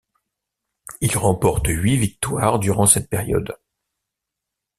Il remporte huit victoires durant cette période.